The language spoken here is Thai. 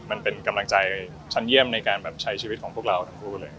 มันเป็นกำลังใจช่วยใช้ชีวิตของเราทั้งทุกคนเลย